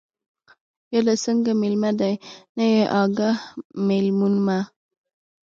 بیا دا څنگه مېلمه دے، نه يې اگاه، مېلمون مه